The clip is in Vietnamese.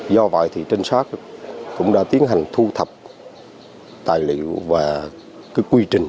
do vậy thì trinh sát cũng đã tiến hành thu thập tài liệu và quy trình